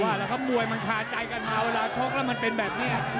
ว่าแล้วคำมวยมันขาใจกันมาเวลาช็อคแล้วมันเป็นแบบนี้